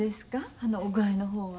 あのお具合の方は。